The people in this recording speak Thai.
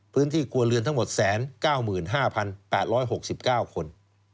พื้นที่กัวเรือนทั้งหมด๑๙๕๘๖๙คน